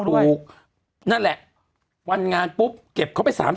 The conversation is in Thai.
ถูกนั่นแหละวันงานปุ๊บเก็บเขาไปสาม